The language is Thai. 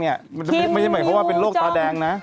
มันไม่จำเป็นเรื่องรูปตาแดงนะ